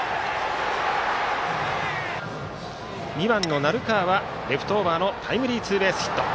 ２番の鳴川はレフトオーバーのタイムリーツーベースヒット。